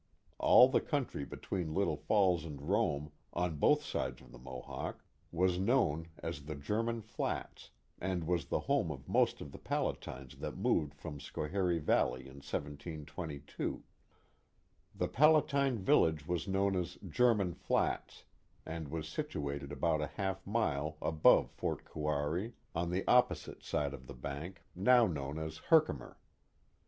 (All the country between Little Falls and Rome, on both sides of the Mohawk, was known as the German Flats and was the home of most of the Palatines that moved from Schoharie Valley in 1722. The Palatine village was known as German Flats,'* and was situated about a half mile above Fort Kouari on the opposite 43^ The Mohawk Valley ^^1 bank, now known as Herkimer.